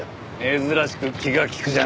珍しく気が利くじゃねえか。